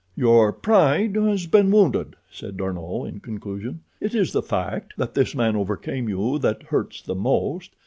"Your pride has been wounded," said D'Arnot, in conclusion. "It is the fact that this man overcame you that hurts the most.